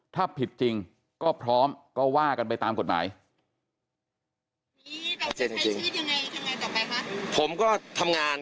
ถ้าผิดจริงก็พร้อมก็ว่ากันไปตามกฎหมาย